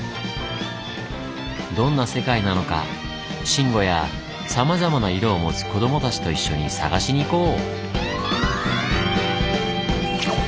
どんな世界なのか慎吾やさまざまな色を持つ子供たちと一緒に探しに行こう。